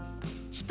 「１人」。